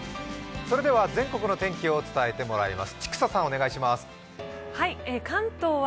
全国の天気を伝えてもらいます。